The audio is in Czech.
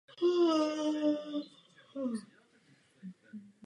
Indonésie je rozvojová země.